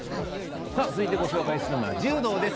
続いてご紹介するのは柔道です。